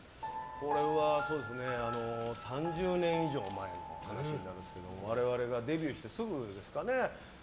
これは３０年以上前の話になるんですが我々がデビューしてすぐですかね。